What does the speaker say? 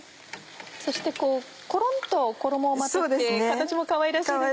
そしてコロンと衣をまとって形もかわいらしいですね。